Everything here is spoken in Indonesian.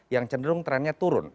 yang cenderung trennya turun